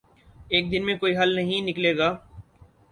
ایک دن میں کوئی حل نہیں نکلے گا۔